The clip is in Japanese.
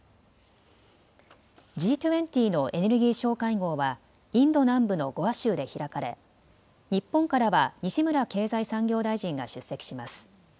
Ｇ２０のエネルギー相会合はインド南部のゴア州で開かれ日本からは西村経済産業大臣が出席します。